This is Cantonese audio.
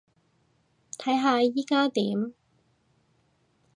睇下依加點